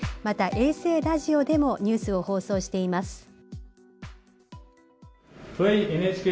また衛星ラジオでもニュースを放送しています。